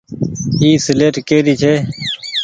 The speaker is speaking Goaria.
اي سيليٽ ڪي ري ڇي۔